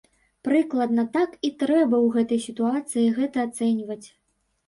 Прыкладна так і трэба ў гэтай сітуацыі гэта ацэньваць.